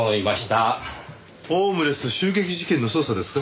ホームレス襲撃事件の捜査ですか？